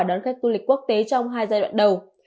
đón khách du lịch quốc tế trong hai giai đoạn đầu